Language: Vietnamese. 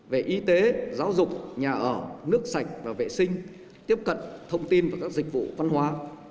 về y tế giáo dục nhà ở nước sạch và vệ sinh tiếp cận thông tin và các dịch vụ văn hóa